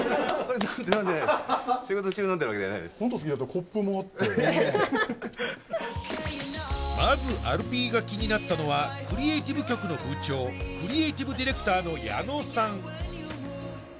コップもあってまずアルピーが気になったのはクリエイティブ局の部長クリエイティブディレクターの矢野さん